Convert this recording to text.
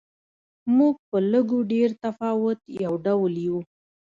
موږ په لږ و ډېر تفاوت یو ډول یو.